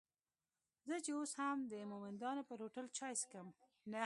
زه چې اوس هم د مومندانو پر هوټل چای څکم.